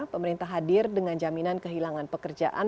pemerintah hadir dengan jaminan kehilangan pekerjaan